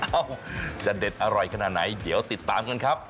จะเด็ดอร่อยขนาดไหนเดี๋ยวติดตามกันครับ